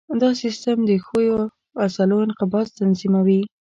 دا سیستم د ښویو عضلو انقباض تنظیموي.